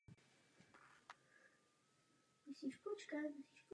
Toto opatření je vnímáno jako podpora mezinárodních investic.